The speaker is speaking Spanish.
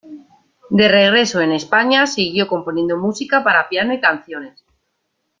De regreso en España, siguió componiendo música para piano y canciones.